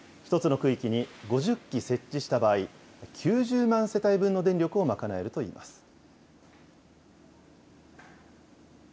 １つの区域に５０基設置した場合、９０万世帯分の電力を賄えるといいます。